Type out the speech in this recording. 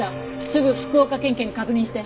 すぐ福岡県警に確認して。